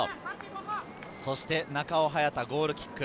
そして中尾隼太、ゴールキック。